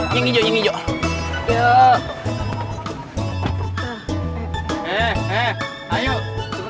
pak jimmy pak putra